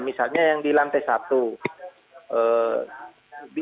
misalnya yang di lantai satu